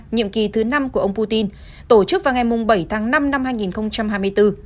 nhiệm kỳ thứ năm của ông putin tổ chức vào ngày bảy tháng năm năm hai nghìn hai mươi bốn